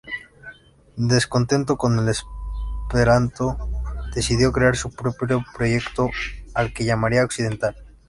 Descontento con el esperanto, decidió crear su propio proyecto, al que llamaría occidental.